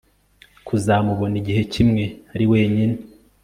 kuzamubona igihe kimwe ari wenyine